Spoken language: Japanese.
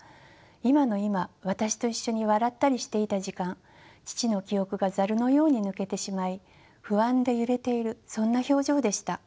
今の今私と一緒に笑ったりしていた時間父の記憶がザルのように抜けてしまい不安で揺れているそんな表情でした。